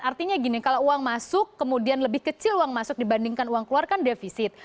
artinya gini kalau uang masuk kemudian lebih kecil uang masuk dibandingkan uang keluar kan defisit